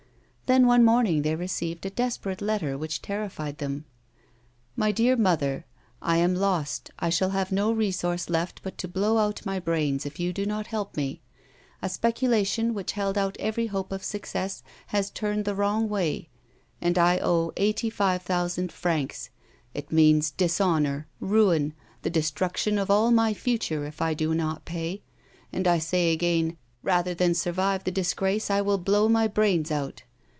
Then, one morning they received a desperate letter which terrified them. " My Dear Mother. — I am lost ; I shall have no resource left but to blow out my brains if you do not help me. A speculation which held out every hope of success has turned the wrong way, and I owe eighty five thousand francs. It means dishonour, ruin, the destruction of all my future if I do not pay, and, I say again, rather than survive the disgrace, I will blow my brains out.